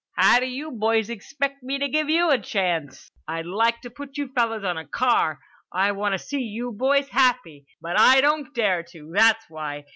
How d'you boys expect me to give you a chance? I'd like to put you fellers on a car, I wanta see you boys happy. But I don't dare to, that's why.